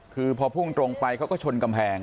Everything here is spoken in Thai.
คือพอพุ่งตรงไปเขาก็ชนกำแพง